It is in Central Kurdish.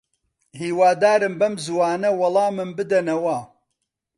هیوادارم بەم زووانە وەڵامم بدەنەوە.